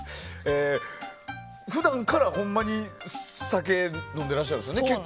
普段から、ほんまに酒飲んでいらっしゃるんですよね。